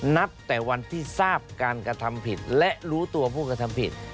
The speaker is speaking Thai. นับแต่วันที่ทราบการกระทำผิดและรู้ตัวผู้กระทำผิด